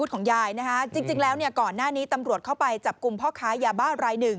ก่อนนั้นนี้ตำรวจเขาไปจับกลุ่มพ่อค้ายาบ้า๑